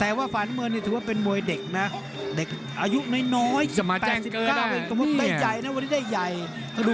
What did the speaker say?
อ่ารวมจิต